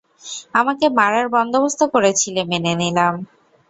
আমাকে মারার বন্দোবস্ত করেছিলি মেনে নিলাম।